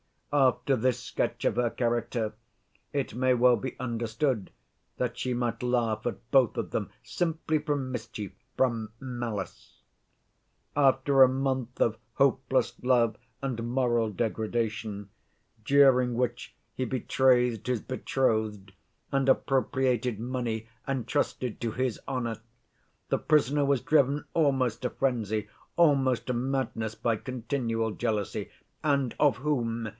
After this sketch of her character it may well be understood that she might laugh at both of them simply from mischief, from malice. "After a month of hopeless love and moral degradation, during which he betrayed his betrothed and appropriated money entrusted to his honor, the prisoner was driven almost to frenzy, almost to madness by continual jealousy—and of whom?